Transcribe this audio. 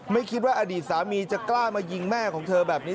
ไม่คิดว่าอดีตสามีจะกล้ามายิงแม่ของเธอแบบนี้